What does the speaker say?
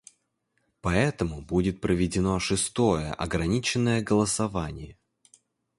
Поэтому будет проведено шестое ограниченное голосование.